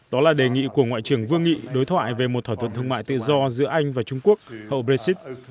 đó là đề nghị của ngoại trưởng vương nghị đối thoại về một thỏa thuận thương mại tự do giữa anh và trung quốc hậu brexit